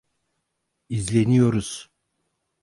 İzleniyoruz.